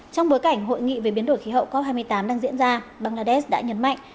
trong bối cảnh hội nghị về biến đổi khí hậu cop hai mươi tám đang diễn ra bangladesh đã nhấn mạnh